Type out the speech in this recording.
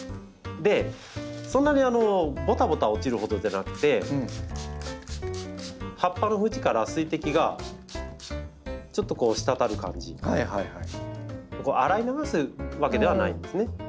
でそんなにボタボタ落ちるほどじゃなくて葉っぱの縁から洗い流すわけではないんですね。